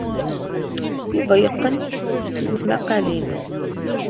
Yuba yeqqen tismaqqalin.